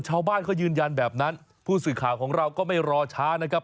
ชาวบ้านเขายืนยันแบบนั้นผู้สื่อข่าวของเราก็ไม่รอช้านะครับ